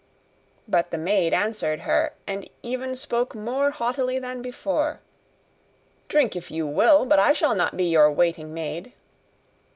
But the maid answered her, and even spoke more haughtily than before: 'Drink if you will, but I shall not be your waiting maid.